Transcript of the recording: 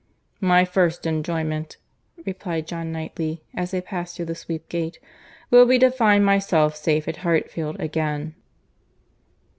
"My first enjoyment," replied John Knightley, as they passed through the sweep gate, "will be to find myself safe at Hartfield again."